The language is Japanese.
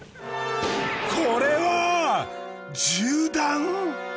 これは銃弾！？